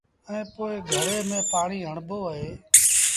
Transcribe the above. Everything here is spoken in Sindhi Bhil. ائيٚݩ پو گھڙي ميݩ پآڻيٚ هڻبو اهي۔